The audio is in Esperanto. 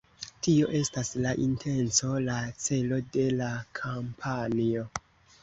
Tio estas la intenco, la celo de la kampanjo.